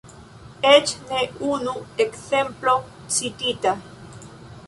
Eĉ ne unu ekzemplo citita.